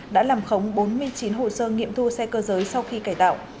đã làm khống bốn mươi chín hồ sơ nghiệm thu xe cơ giới sau khi cải tạo